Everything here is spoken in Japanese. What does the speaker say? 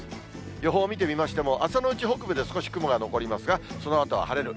予報見てみましても、朝のうち、北部で少し雲が残りますが、そのあとは晴れる。